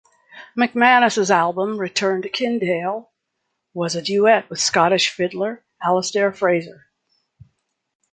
McManus's album "Return to Kintail" was a duet with Scottish fiddler Alasdair Fraser.